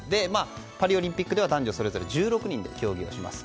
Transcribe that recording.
パリオリンピックでは男女それぞれ１６人で競技をします。